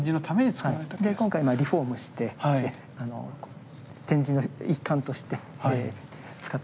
で今回リフォームして展示の一環として使っております。